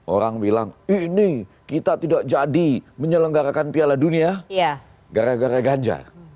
orang bilang ini kita tidak jadi menyelenggarakan piala dunia gara gara ganjar